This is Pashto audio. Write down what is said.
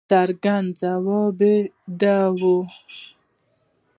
څرګند ځواب به یې دا وي.